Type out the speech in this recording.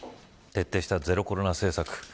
徹底したゼロコロナ政策。